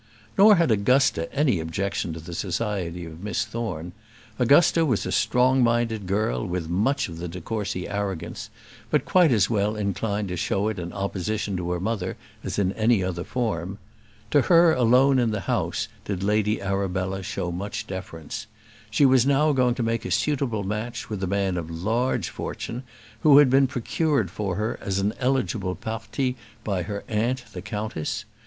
Nor had Augusta any objection to the society of Miss Thorne. Augusta was a strong minded girl, with much of the de Courcy arrogance, but quite as well inclined to show it in opposition to her mother as in any other form. To her alone in the house did Lady Arabella show much deference. She was now going to make a suitable match with a man of large fortune, who had been procured for her as an eligible parti by her aunt, the countess.